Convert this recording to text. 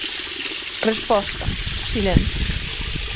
Resposta: silencio.